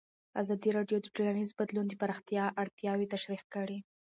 ازادي راډیو د ټولنیز بدلون د پراختیا اړتیاوې تشریح کړي.